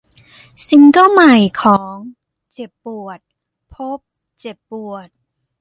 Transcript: ซิงเกิลใหม่ของ เจ็บปวด พบเจ็บปวด